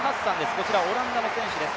こちらオランダの選手です。